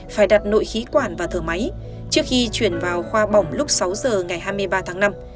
phải đặt nội khí quản và thở máy trước khi chuyển vào khoa bỏng lúc sáu giờ ngày hai mươi ba tháng năm